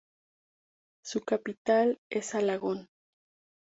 Su capital es Alagón.